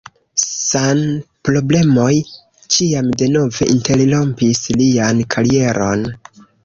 Sanproblemoj ĉiam denove interrompis lian karieron.